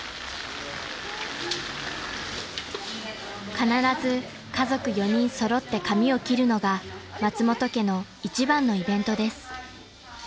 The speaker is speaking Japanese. ［必ず家族４人揃って髪を切るのが松本家の一番のイベントです］